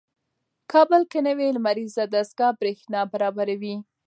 کابل کې نوې لمریزه دستګاه برېښنا برابروي.